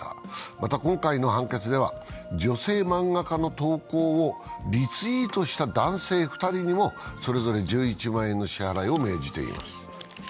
また、今回の判決では女性漫画家かの投稿をリツイートした男性２人にもそれぞれ１１万円の支払いを命じています。